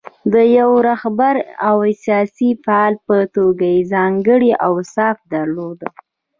د یوه رهبر او سیاسي فعال په توګه یې ځانګړي اوصاف درلودل.